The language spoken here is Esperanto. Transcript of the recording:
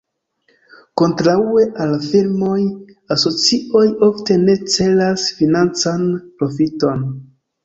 Kontraŭe al firmaoj, asocioj ofte ne celas financan profiton.